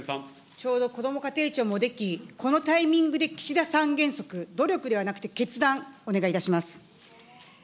ちょうど、こども家庭庁も出来、このタイミングで岸田三原則、努力ではなく決断、お願いいたします。